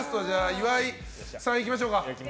岩井さん、いきましょう。